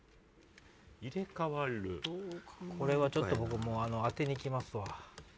これはちょっと僕もう当てに行きますわ。